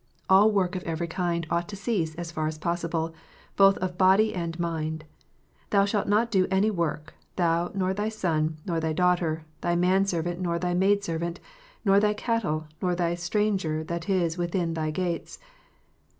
All work of every kind ought to cease as far as possible, both of body and mind. "Thou shalt not do any work, thou, nor thy son, nor thy daughter, thy man servant nor thy maid servant, nor thy cattle, nor thy stranger that is within thy gates."